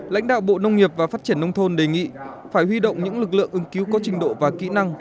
lãnh đạo bộ nông nghiệp và phát triển nông thôn đề nghị phải huy động những lực lượng ứng cứu có trình độ và kỹ năng